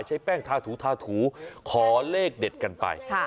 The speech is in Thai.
ใช้แป้งทาถูทาถูขอเลขเด็ดกันไป